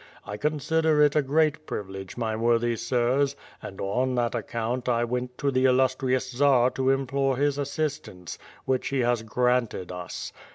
I consider it a great privilege, my worthy sirs, and on that account I wont to the illustrious Czar to implore liis assistance, which he has granted us.